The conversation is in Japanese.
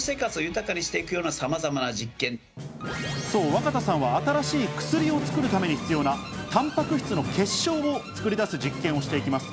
若田さんは新しい薬を作るために必要なタンパク質の結晶を作り出す実験をしていきます。